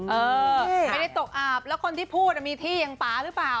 เออไม่ได้ตกอาบแล้วคนที่พูดมีที่อย่างป่าหรือเปล่า